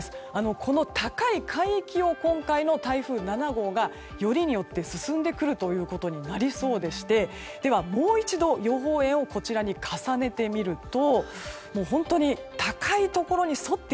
高い海域を今回の台風７号がよりによって進んでくることになりそうでしてでは、もう一度予報円をこちらに重ねてみると本当に高いところに沿って